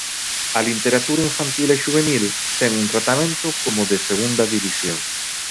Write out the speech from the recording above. A literatura infantil e xuvenil ten un tratamento como de segunda división.